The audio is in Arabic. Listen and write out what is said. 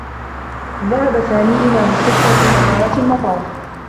ذهب سامي إلى مستشفى في نهارة المطاف.